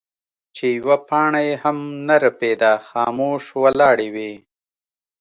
چې يوه پاڼه يې هم نۀ رپيده خاموش ولاړې وې ـ